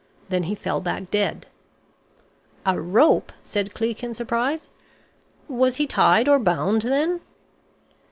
Then he fell back dead." "A rope?" said Cleek in surprise. "Was he tied or bound then?"